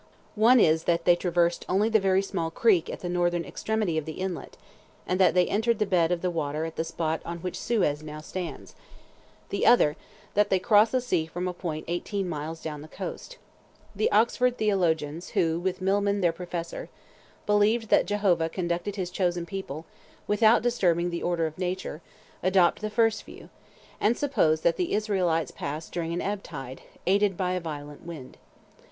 One is, that they traversed only the very small creek at the northern extremity of the inlet, and that they entered the bed of the water at the spot on which Suez now stands; the other, that they crossed the sea from a point eighteen miles down the coast. The Oxford theologians, who, with Milman their professor, believe that Jehovah conducted His chosen people without disturbing the order of nature, adopt the first view, and suppose that the Israelites passed during an ebb tide, aided by a violent wind.